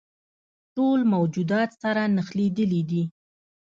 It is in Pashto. ټول موجودات سره نښلیدلي دي.